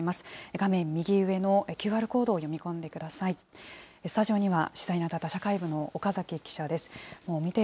画面右上のＱＲコードを読み込んでください。